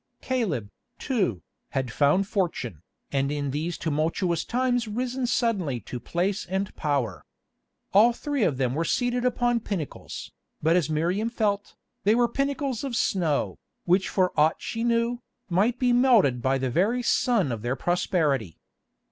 Caleb, too, had found fortune, and in these tumultuous times risen suddenly to place and power. All three of them were seated upon pinnacles, but as Miriam felt, they were pinnacles of snow, which for aught she knew, might be melted by the very sun of their prosperity.